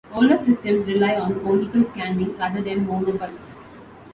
Older systems rely on conical scanning rather than monopulse.